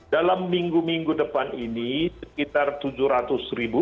dalam minggu minggu depan ini sekitar tujuh ratus ribu